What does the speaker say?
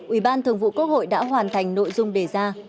ủy ban thường vụ quốc hội đã hoàn thành nội dung đề ra